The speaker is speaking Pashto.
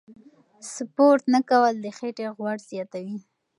سپورت نه کول د خېټې غوړ زیاتوي.